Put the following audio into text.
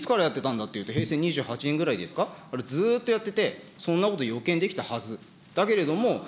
マイナス金利っていつからやってたんだって、平成２８年ぐらいですか、あれ、ずっとやってて、そんなこと予見できたはず。